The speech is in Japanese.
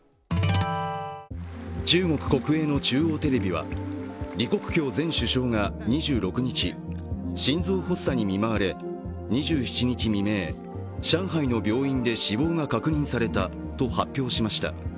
中国国営の中央テレビは李克強前首相が２６日２６日、心臓発作に見舞われ２７日未明上海の病院で死亡が確認されたと発表しました。